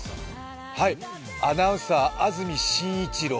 はい、アナウンサー・安住紳一郎。